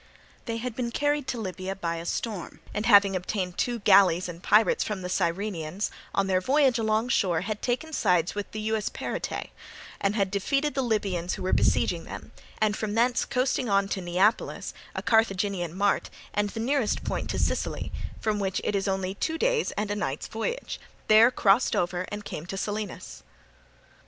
They had been carried to Libya by a storm, and having obtained two galleys and pilots from the Cyrenians, on their voyage alongshore had taken sides with the Euesperitae and had defeated the Libyans who were besieging them, and from thence coasting on to Neapolis, a Carthaginian mart, and the nearest point to Sicily, from which it is only two days' and a night's voyage, there crossed over and came to Selinus.